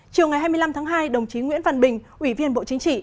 chiều ngày hai mươi năm tháng hai đồng chí nguyễn văn bình ủy viên bộ chính trị